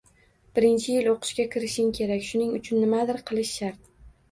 Birinchi yil o`qishga kirishing kerak, shuning uchun nimadir qilish shart